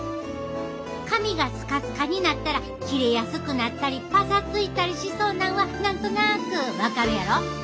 髪がスカスカになったら切れやすくなったりパサついたりしそうなんは何となく分かるやろ？